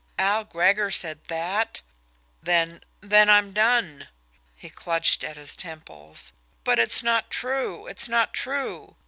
"Al Gregor said that? Then then I'm done!" He clutched at his temples. "But it's not true it's not true!